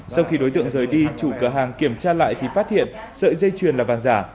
sau khi đối tượng rời đi chủ cửa hàng kiểm tra lại thì phát hiện sợi dây chuyền là vàng giả